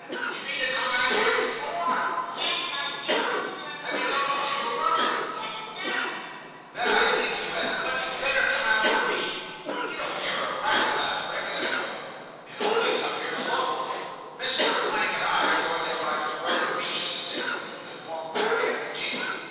* And you mean to come back after four ?* Yes, I think so, sir.' ' Have you done all your work 1 '' Yes, sir.' 148 TIM CHAP. ' Then I think you had much better come out with me. You don't care a rap about cricket, I know, and only come here to loaf. Mr. and I are going to drive to Burnham Beeches this afternoon, and walk back after tea.